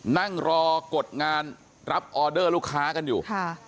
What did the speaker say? นั่งรอกดงานรับออเดอร์ลูกค้ากันอยู่